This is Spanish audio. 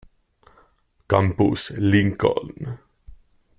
Campus Lincoln.